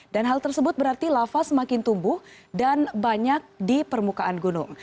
dan hal tersebut berarti lava semakin tumbuh dan banyak di permukaan gunung